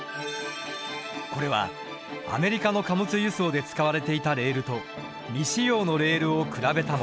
これはアメリカの貨物輸送で使われていたレールと未使用のレールを比べたもの。